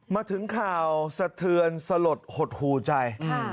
มาถึงข่าวสะเทือนสลดหดหูใจ